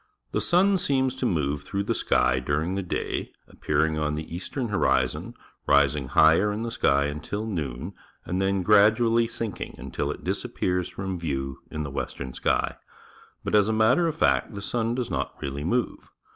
— The sun seems to move through the sky during the day, appearing on the eastern horizon, rising higher in the sky until noon, and then gradually sinking until it disappears from view in the western sky. But, as a matter of fact, the sun does not really move.